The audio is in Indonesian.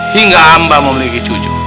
hingga amba memiliki cucu